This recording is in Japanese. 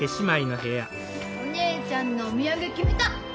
お姉ちゃんのお土産決めた！